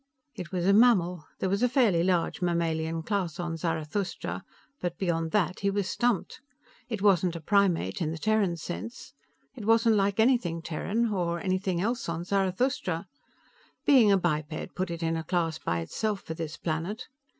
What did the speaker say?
It was a mammal there was a fairly large mammalian class on Zarathustra but beyond that he was stumped. It wasn't a primate, in the Terran sense. It wasn't like anything Terran, or anything else on Zarathustra. Being a biped put it in a class by itself for this planet.